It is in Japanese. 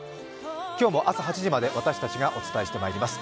今日も朝８時まで私たちがお伝えしてまいります。